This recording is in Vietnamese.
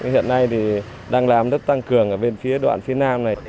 hiện nay thì đang làm đất tăng cường ở bên phía đoạn phía nam này